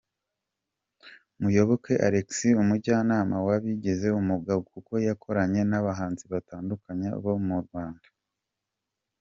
Muyoboke Alex umujyanama wabigize umuga kuko yakoranye n’abahanzi batandukanye bo mu Rwanda.